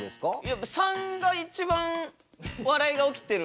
やっぱ３が一番笑いが起きてる。